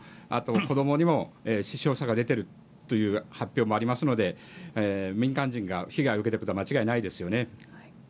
子供にも死傷者が出ているという発表もありますので民間人が被害を受けていくことは間違いないですよね。